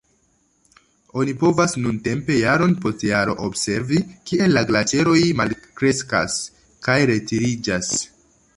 Oni povas nuntempe jaron post jaro observi, kiel la glaĉeroj malkreskas kaj retiriĝas.